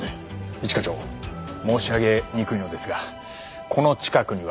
一課長申し上げにくいのですがこの近くには。